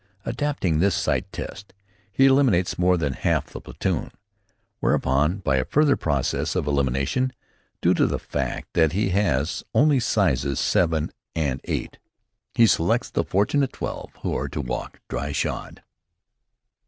Adopting this sight test, he eliminates more than half the platoon, whereupon, by a further process of elimination, due to the fact that he has only sizes 7 and 8, he selects the fortunate twelve who are to walk dry shod.